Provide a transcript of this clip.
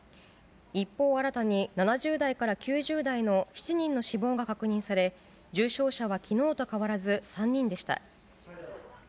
一方、新たに７０代から９０代の７人の死亡が確認され、重症者はきのうと変わらず３人でした。